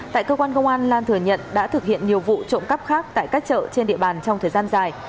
tại cơ quan công an lan thừa nhận đã thực hiện nhiều vụ trộm cắp khác tại các chợ trên địa bàn trong thời gian dài